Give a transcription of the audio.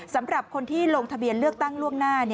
สำหรับคนที่ลงทะเบียนเลือกตั้งล่วงหน้า